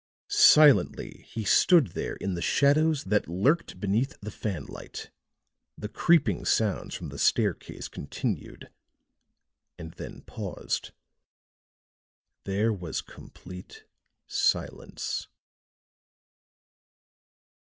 Silently he stood there in the shadows that lurked beneath the fanlight; the creeping sounds from the staircase continued and then paused. There was complete silence.